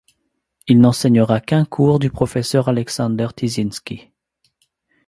Il n'enseignera qu'un cours du professeur Aleksander Tyszyński.